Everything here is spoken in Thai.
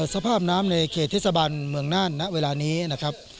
สภาพน้ำในเขตเทศบาลเมืองน่านณเวลานี้นะครับ